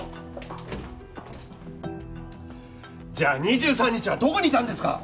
じゃあ２３日はどこにいたんですか？